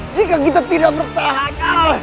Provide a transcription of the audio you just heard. jika kita tidak bertahan